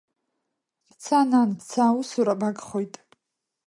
Бца, нан, бца, аусура багхоит.